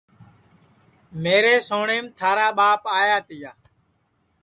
میرے سوٹؔیم تھارا ٻاپ آیا تِیا